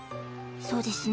そうですね。